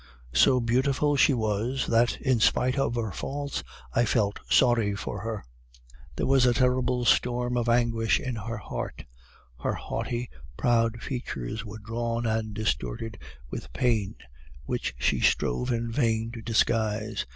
So beautiful she was, that in spite of her faults I felt sorry for her. There was a terrible storm of anguish in her heart; her haughty, proud features were drawn and distorted with pain which she strove in vain to disguise.